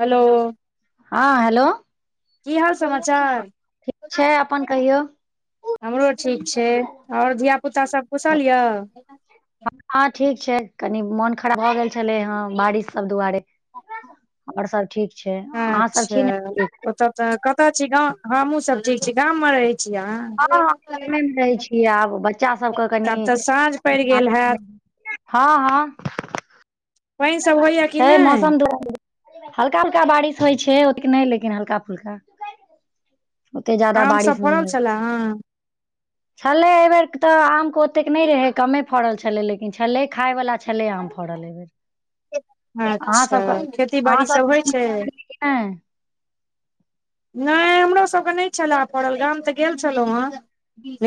Hello. हँ hello. की हाल समाचार। ठीक छै अपन कहियौ। हमरो ठीक छै, आओर धिय पुता सब कुशल यए हँ ठीक छै कनी मोन खराब भऽ गेल छलै हे बारिश सब दुआरे आओर सब ठीक छै, अहाँसभ अच्छा छी ने ठीक ओतऽ तऽ कतऽ छी गाँव हमहुँ सब ठीक छी गामव मे रहै छी अहाँ हँ हँ एमे रहै छीयै आब बच्चा सभ के कनि तब तऽ साँझ पड़ि गेल हैत हँ हँ। वही सब व छै मौसम दुआरे हल्का हल्का बारिश होइ छै ओतेक नहि लेकिन हल्का फुल्का ओते ज्यादा आम सभ बारिश नहि फड़ल होइ छलए हेँ छलै एहिबेर तऽ आमके ओतेक नहि रहै कमे फड़ल छलै लेकिन छलै खायवला छलै आम फराळ एबैर - अच्छा खेती अहाँ बाड़ी सब कि होइ छै। नहि नहि हमरो सबके नहि छलए पड़ल गाम तऽ गेल छलहुँ ह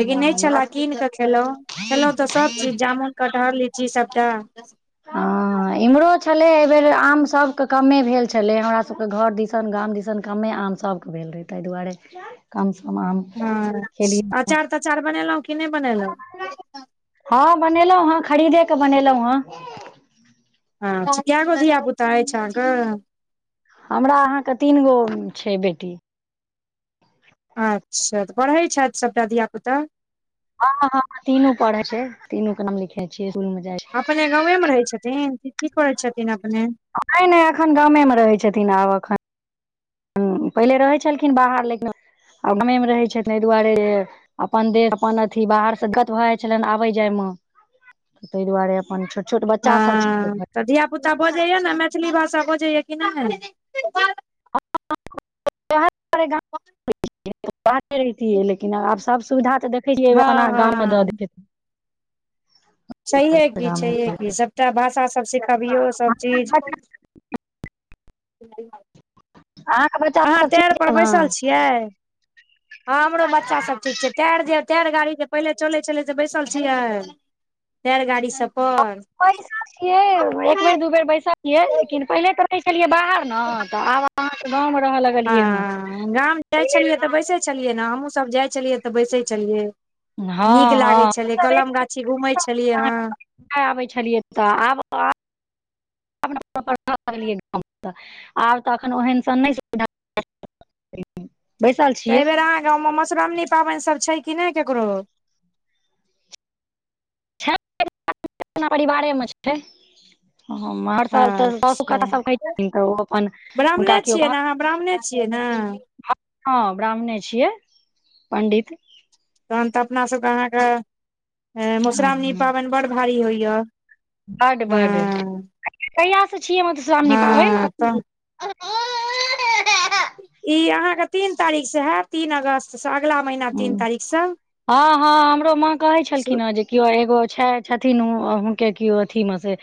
लेकिन नहि छले सब कीन कऽ खेलहुँ खेलहुँ तऽ सभ चीज जामुन कटहर लीची सबटा हँ इम्हरो छलै एहि बेर आम सबके कमे भेल छलै हमरा सबके घर दिस गाम दिस कमे आम सबके भेल रहै ताहि दुआरे कम सम आम खेलियै त अचार बनेलहुँं कि नहि बनेलहुँ। हँं बनेलहुँं हँं खरीदे के बनेलहुँ हँं। अच के गो धियाापुता अयछ अहा क। हमरा अहाँके तीन गो छै बेटी। अच्छा तऽ पढ़ैत छथि सभटा धिय पुता। हँ ह तीनू पढ़े छै तीनू के नाम लिखे छियै इसकूल मे जाय अपने गावे मे रहै छथिन की करै छथिन अपने। नहि नहि एखन गामे रहै छथिन आब एखन ह पहिले रहै छलखिन बाहर लेकिन आ गामेमे रहैत छथिन एहि दुआरे जे अपन देह अपन अथी बाहर से गत भए जाइ छलनि आबय जायमे तहि दआारे अपन छ हँ तऽ धियापुता बजैए ने मैथिली भाषा बजैए कि नहि [unintelligible] [unintelligible] लेकिन आब सभ सुविधा तऽ देखैत छियै हँ अपना गाममे दऽ हँ दोअलकाई [inaudible] छैहे की छैे की सबटा भाषा सब सिखबियौ सब चीज अहाँके नहि [unintelligible] आहाँ के बच्चा अहाँ सब ठीक टैर पर य ने बैसल छियै हमरो बच्चा सब ठीक छै टैर जे टायर गाड़ी जे पहिले चलै छलै से बैसल छियै टायर गाड़ी सब पर बैसल छियै एक बेर दू बेर बैसलियै छियै लेकिन पहिले तऽ रहियै छलियै बाहर न तऽ आब अहाँ त गांव मे रह लग हँ गाम जाइ छलियै तऽ बैसै छलियै न हमहूँसब जाइ छलियै तऽ बैसै छलियै हँ निक हँ लागै छलै कलम गाछी घूमै छलियै हँ नै आबै छलियै तऽ आब त आब [unintelligible] आब तऽ एखन ओहनसन नै छै सुधार तऽ एहि बेेर अहाँके गांवमे मधुश्रावणी पाबनि सब छै कि नै ककरो छै [unintelligible] परिवारेमे छै हर साल तऽ सब अच्छा कहै छथिन तऽ ओ अपन हुनका ब्राह्मणे केओ छियै [unintelligible] ने अहाँ ब्राह्मणे छियै ने हँ ब्राह्मणे छियै पण्डित तहन तऽ अपना सबके अहाँके मधुश्रावणी पाबनि बड़ भारी होइए बड बड कहिआसँ छियै मधुश्रावणी पबैन हँ तऽ ई अहाँ के तीन तारीख स हाएत तीन अगस्त अगला महिना हँ हँ हमरो माँ कहै छलखिन हेँ जे कियो एगो छैय छथिनो उ हुनके किओ अथी मे से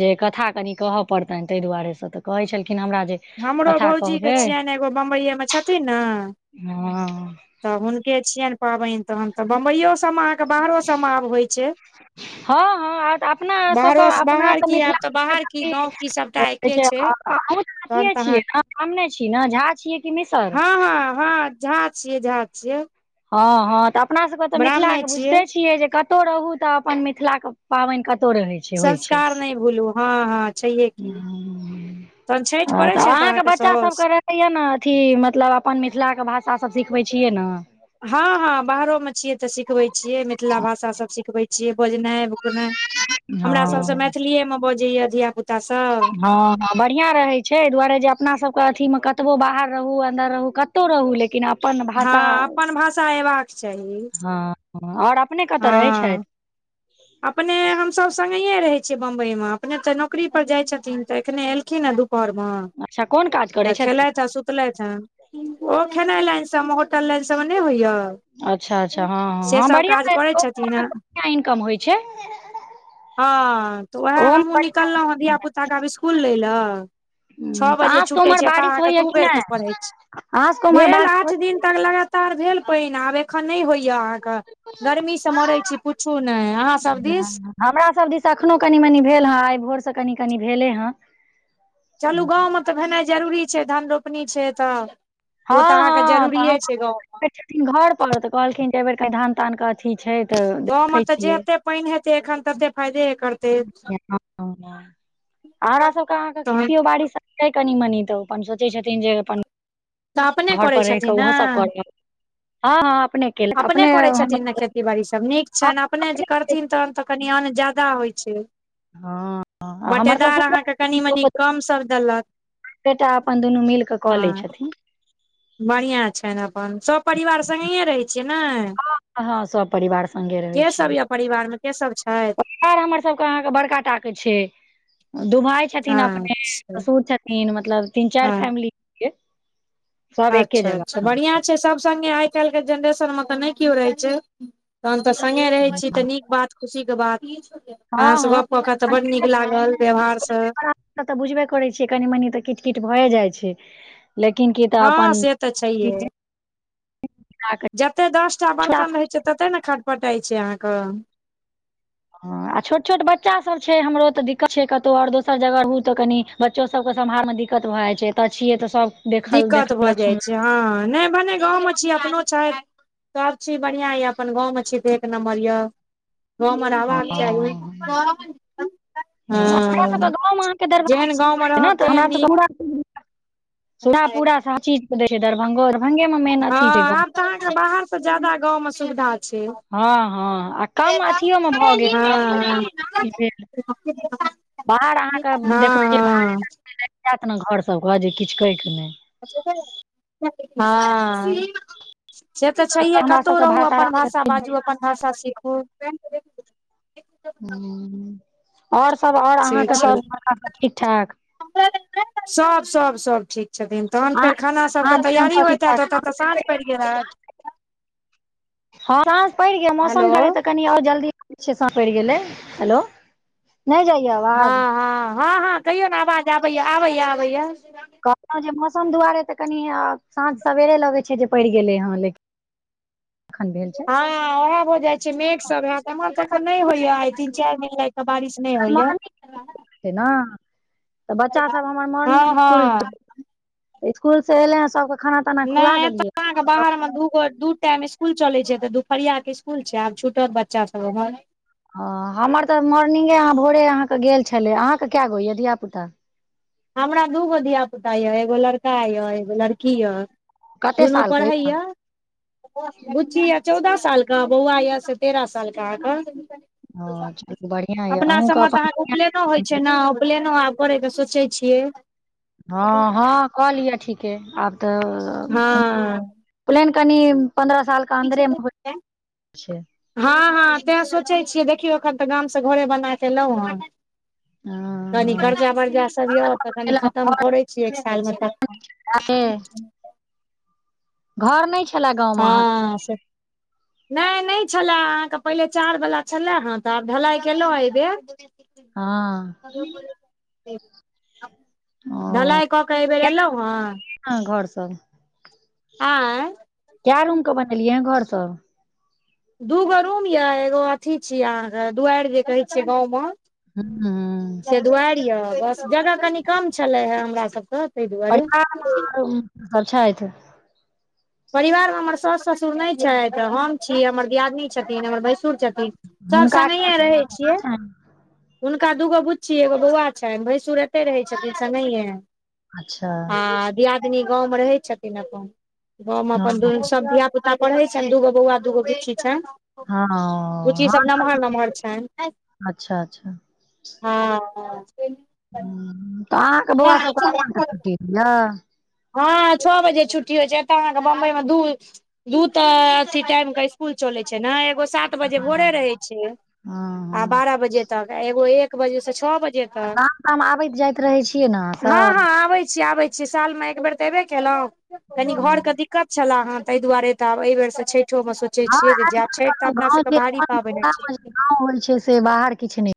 जे कथा कनि कहय पड़तनि तै दुआरे स तऽ कहै छलखिन हमरा जे हमरो कथा भौजीके कहबै छियनि एगो बम्बईये मे छथिन ने हँ तऽ हुनके छियनि पाबैन तहन तऽ बम्बईयो सबमे अहाँके बाहरो सबमे आब होइ छै हँ अपना बाहरो सबके से अपना बाहर तऽ की आब मिथिला बाहर की गाँंव की सबटा एके छै [unintelligible] अहु अथि तहन तऽ छियै ब्राह्मण छि न झा छियै कि मिसर अहाँ हँ हँ झा छियै झा छियै हँ हँ तऽ अपना सबके तऽ मिथिलाके बुझिते छियै जे कतहु रहू तऽ अपन मिथिलाके पाबन क संस्कार नै भूलू हँ हँ छहिए की तहन छठि करै छथि अहाँके साउस [unintelligible] न अथी मतलब अपन मिथिला के भाषा सब सिखबै छियै न हँ हँ बाहरोमे छियै तऽ सिखबै छियै मिथिला भाषासब सिखबै छियै बजनाइ नाय हमरा सबसँ हँ मैथिलीयेमे बजैया धिया पुता सब हँ हँ बढ़िआँ रहै छै एहि दुआरे जे अपना सबके अथीमे कतबो बाहर रहू अन्दर रहू कतहु रहू लेकिन अपन हँ भाषा अपन भाषा एबाक चाही हँ हँ आओर अपने कतऽ रहै छथि हँ अपने हमसब संगहिये रहै छियै बम्बई मे अपने तऽ नौकरी पर जाइ छथिन तऽ एखने एलखिन हँ धूप पर मे अच्छा कोन काज करै तऽ छथिन खेलैथ आ सुत सुतलथि हा ओ खेनाइ लाइन सब मे होटल लाइन सब मे नै होइय अच्छा अच्छा हँ हँ से हँ बढ़िआँ करै [unintelligible] छथिन ह बढ़ियाँ इनकम होइ छै हँ तऽ उएह ओहोमे हमहूँ बढ़िआँ निकललहुँ हें धिय हूँ पुता के आब स्कुल लय लए छओ तऽ बजे अहाँ सबके छूटैत उम्हर छै एतय बारिश अहाँके होइया कि दूबेरके नहि पढ़ै छी अहाँ सबके उम्हर भेल बारिश आठ दिन तक लगातार तार भेल पाइन आब एखन नय होइया अहाँके गर्मी से मरै छी पूछू नय अहाँ सभ होइया दिस हमरा सभ दिस एखनो कनि मनि भेल हेँ आइ भोरसँ कनि कनि भेले हेँ चलू गाँवमे तऽ भेनाइ जरूरी छै धान रोपनी छै तऽ ओ तऽ अहाँके हँ तऽ हम जरूरिए छै गाँव मे छथिन घर पर तऽ कहलखिन जे एहि बेर कही धान तान अथी छै तऽ गाँव में देखै तऽ छियै जते पाइन हेतै एखन तते फायदेे करतै हमर सभके अहाँके तहन खेतियो बाड़ी सभ दैतय कनि मनी तऽ अपन सोचै छथिन जे अपन तऽ अपने घर करै पर छथिन रहिकेऽ ने ओहो सब कर हँ हँ अपने केलथि अपने करै हमर छथिन ने खेती बाड़ी सभ नीक छैन अपने जे करथिन तहन तऽ कनि अन्न ज्याददा होइ छै हँ आ हमर बटेदार अहाँके कनि मनी ससुरो कम सब देलत बेटा अपन दुनू मिल कऽ कऽ लैत छथिन बढ़िआँ छन अपन सभ पररिवार सङ्गहिे रहैत छियै ने हँ हँ सब परिवार संगे रहै छै के सब य परिवार में के सब छै पार हमर सबके अहाँके बड़का टाके छै दू भाय छथिन अपने अच्छा ससुर छथिन मतलब तीन चार हँ फैमिली के अच्छा अच्छा बढ़िआँ छै सभ सङ्गे आइ काल्हिके जेनरेशनमे तऽ नय केओ रहै छै तहन तऽ संगे रहै छी तऽ नीक बात खुशीके बात अहाँ सब हँ गप कऽ क तऽ बड नीक लागल व्यवहारसँ तऽ बुझबे करै छियै कनी मनी तऽ किट कट भए जाइ छै लेकिन की तऽ हँ अपन से तऽ छैहिेए जतेक दस टा छोड़ा बर्तन रहै छै ततेक ने खटपटाइत छै अहाँके ह आ छोट छोट बच्चा सभ छै हमरो तऽ दिक्कत छै कतहु आओर दोसर जगह रहू तऽ कनि बच्चो सब के सम्हार में दिक्कत भए जाय छै ए छिये ते सब देखल दिक्कत भऽ देखलक जाइ सुनल हँ नय भने गाँवमे छीयै अपनो छथि सब चीज बढ़ियां यऽ अपन गाँव में छी तऽ एक नम्बर यए गाव म हँ, रहबाक चाही [inaudible] ह [inaudible] हँ हमरासके गाँमे अहाँके जेहन गाँव मे दरभंगा ने रहब तेहन तऽ नीक हमर सूधा पूरा सब चीज दै छै दरभंगो दरभंगे मे मेन हँ अथी छै गाँव आब बाहर से जादा गाउँ मे सुविधा छै हँ हँ आ कम अथियओमे भऽ गेल कम हँ पैसामे भेल बाहर अहाँके देखबै जे भड़े हँ हँ त लागि जायत ने घर सबके जे किछु कहैके नय [inaudible] हँ से तऽ एतऽ छैहे हमरा कतहु सबके रहू भात अपन आराम से भाषा बाजू अपन भाषा सीखू हूं ओर सब आओर से अहाँके छै सड़का सब ठीक ठाक सब सब सब ठीक छथिन तहन आ फेर खाना सबके अहाँ दिसन तैयारी सब ठीक होइत हयत ठाक ओतऽ तऽ साँझ पड़ि गेलत हँ साझ पड़ि गेल हेलो मौसम डरे त कनी आओर जल्दी पि गेलै हेलो नय जाइय हँ हँ हँ हँ कहियौ न आवाज आबैए आबैए आबैए कहलौं जे मौसम दुआरे तऽ कनि साँझ सवैरे लगै छै जे पड़ि गेलै हँ लेकिन एखन भेल छै हँ ओहे भऽ जाइ छै मेघ सब हैत एम्हर तऽ एखन नय होइये आइ तीन चारि महिनाक बारिश नय होइये मॉर्निंग छै ने तऽ बच्चा सब हमर हँ मॉर्निंग इसकुल छै। हँ स्कुल से एलैये सबके खाना ताना खुआ देलियै अहाँ के बाहर मे दू गो दू टाइम स्कुल चलै छै तऽ दुपरिया के स्कुल छै आब छुटत बच्चा सब एम्हर हँ हमर तऽ मोर्निंगे अहाँ भोरे अहाँके गेल छलै अहाँके कै गो ये धिया पुता हमरा दू गो धिय पुता यए एगो लड़का यए एगो लड़की यए। कते दुनू साल के यऽ परहैय बुच्ची यए चौदह सालके बौआ यए से तेरह सालके ओ अहाँके। चलू बढ़िआँ यऽ अपना अहूँके सभमे तऽ अहाँके उपनयनो होइ अपन छै ने उपलेनो आब करै के सोचै छियै हँ हँ कऽ लिअ ठीके आब तऽ हँ प्लेन कनी पन्द्रह साल के अन्दरे पीछै मे होइ छै [inaudible] हँ हँ तैं सोचै छियै देखियौ एखन तऽ गाम से घरे बना के एलौं हन कनी हँ कर्जा बर्जा हँ सभ यए तऽ कनी खतम करै छी एक सालमे तऽ काहे नहि छलए गाँवमे अहाँके हँ से नय नय छले अहाँके पहिले चार बला छलए हँ तऽ आब ढलाइ केलौं एहिबेर हँ ढलाइ कऽ के एहि बेेर एलौं हन हँ घर सँ आँय कै रूम के बनेलियै हन घर सब दूगो रूम यऽ एगो अथी छी अहाँके दुआरि जे कहै छियै गाँवमे हँ हँ से दुआरि यऽ बस जगह कनी कम छलै ह हमरा सबके ताहि दुआरे बढ़ियाँ [unintelligible] सब छथि परिवारमे हमर साउस ससुर नय छथि हम छी हमर दियादिनी छथिन हमर भैंसुर छथिन सभ हुनका सङ्गहिये रहै छियै छनि? हुनका दूगो बुच्छी एगो बौआ छनि भैंसुर एतै रहै छथिन संगहियें अच्छा आ दियादनी गाँवमे रहै छथिन अपन। गाँव मे अपन दु हँ सभ धिया पुता पढ़े छनि दूगो बौआ दूगो बुची छनि। हँ हँ बूचीसभ नम्हर नम्हर छनि। अच्छा अच्छा हँ हँ तऽ अहाँके बौआ सभके अखन तक छुट्टी नय भेल ये हँ छौ बजे छुट्टी होइ छै एतऽ अहाँके बम्बई मे दूर दू तऽ अथी टाइम के स्कूल चलै छै ने एगो सात बजे भोरे रहै छै हँ आ हँ बारह बजे तक एगो एक बजे से छौ बजे तक गाम ताम आबैत जाइत रहैत छियै नेआ हाँ हँ सभ हँ आबै छी आबै छी साल मे एक बेर तऽ एबे केलहुं कनी घर के दिक्कत छले हेँ ताहि दुआरे तऽ आब एहि बेर छठि छठो मे सोचै हँ छियै जे आयल जाय छठ त अपना सब के री ‌‌ भारीपाबनि होइ छै आब हो छै से बाहर के छलै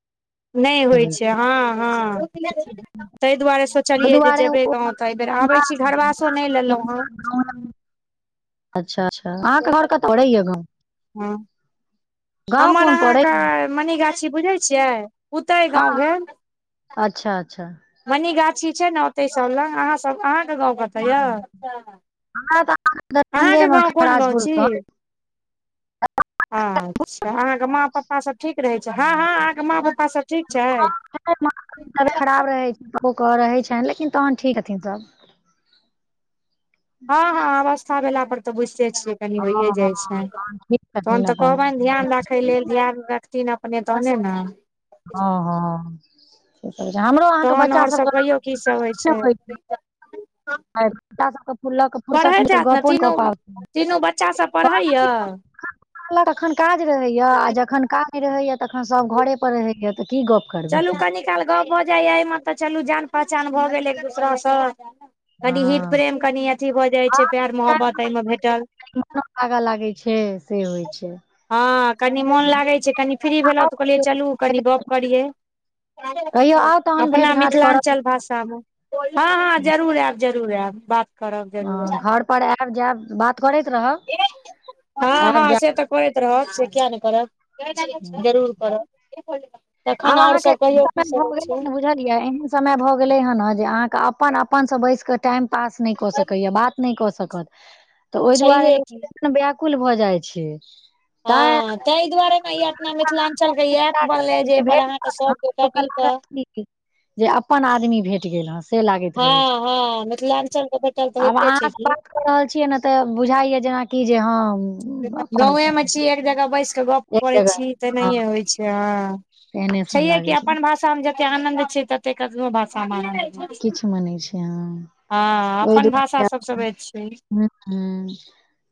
नहि होइ छै हँ हँ ताहि दुआरे ओहि सोचलियै दुआरे जे बै गाँव तऽ एहि बेर आबै छी घरवासो नहि लेलहुँ हन अच्छा अच्छा अहाँके घर कते य गाँव हँ गाँव हमर कोन पड़ै अहाँके मनीगाछी बुझैत छियै पुतैय हँ गाँव भेल अच्छा अच्छा मनीगाछी छै ने ओते सब लग अहाँ सब अहाँ के गाँंव हँ त अहाँके दरभंगेमे गाँव कोन गाँव राजपुरस आ अच्छा अहाँके माँ पप्पा सभ ठीक रहै छै हँ हँ अहाँके माँ पप्पा सभ ठीक छै ह तो करऽ रहे छनि लेकिन तहन ठीक हथिन सभ हँ हँ अवस्था भेला पर तऽ बुझिते छियै हँ होइय हँ जाइ छै ठीक तहन छथिन तऽ अपन कहबनि ध्यान राखैथ ैतय लेल विमान रखथिन अपने तहने ने हँ हँ से हमरो अहाँके तहन आओर बच्चाभके सब कहियौ की सब होइ छै आ ल के फुरसत पढ़ैत हैत ने गपो तीनू कऽ तीनू बच्चा सब प पढ़ैया तखन काज रहैया आ जखन काज रहैया तखन सभ घरे पर रहैया तऽ की गप करबै चलू कनि काल गप भऽ जाइए एहिमे तऽ चलू जान पहचान भऽ गेल एक दूसरासँ कनि हित हँ प्रेम कनि अथी भऽ जाइ छै प्यार मोहब्बत एहिमे भेटल सुन लागऽ लागै छै से होइ छैय हँ कनि मोन लागैत छै कनि फ्री भेलहुँ तऽ कहलियै चलू कनि गप करियै। कहियो आउ तहन भेट अपना घाँट करब मिथिलाञ्चल भाषामे हँ हँ जरूर आयब जरूर आयब बात करब ह जरूर घर पर आयब जायब बात करैत रहब हँ आयब हँ से तऽ करैत रहब से कििया नहि करब। जायब जरूर करब तखन आब आओर अहाँके सब कहियो की समय भऽ करैत गेलै छिय ने बुझलियै एहन समय भऽ गेलै हँ जे अहाँके अपन अपनसँ बैस कऽ टाइम पास नहि कऽ सकैएा बात नहि कऽ सकत तऽ ओहि दुआरे छैहे लोक की मन व्याकुल भऽ जाइ छै, तैं हँ ताहि दुआारे, ई अपना मिथिलाञ्चल के ई ऐप मिथिलाके बनलै लोक जे सब गोटे भेट अहाँके सब गोटा ओकरा मिल कऽ लागत कि जे अपन आदमी भेट गेल हँ से लागैत रहै छै हँ हँ मिथिलाञ्चल के बा तऽ होइते छै की क रहल छियै ने तऽ बुझाइया जेनाकि जे हम गाँवे मे छिय एक जगह बैस एक कर जगह छी तऽ हँ नहि होइ छै ह एहने छै सन लागै अपन भाषा भाषा में जे आनन्द छ छै तत ककरो भाषामै नहीं आनन्द, किछु मानै छै हँ अ ओहि अपन भाषा दुआरे सबसँ बेस छै ह ह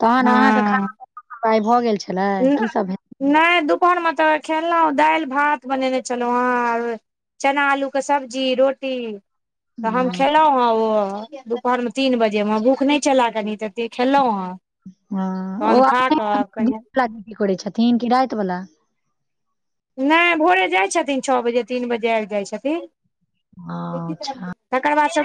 तहन अहाँके हँ खाना पाइ भऽ गेल छलै की सब भेल नहि दुपहरमे तऽ खेललहुँ दालि भात बनेने छलहुँ हेँ चना आलू के सब्जी रोटी तऽ हम हँ खेलहुँ ह ओ दुपहर मे तीन बजे मे भूख नहि छल कनी त खेलहुं हें हँ ओ अपने कनि व दीदी करै छथिन कि राति वला नहि भोरे जाइ छथिन छो बजे तीन बजे आबि जाइ छथिन। अच्छा तकर बाद सब